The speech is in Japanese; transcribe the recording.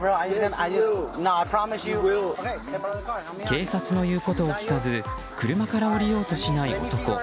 警察の言うことを聞かず車から降りようとしない男。